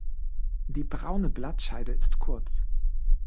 Die braune Blattscheide ist kurz.